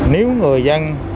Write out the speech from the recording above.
nếu người dân